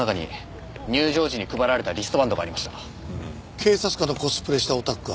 警察官のコスプレしたオタクか。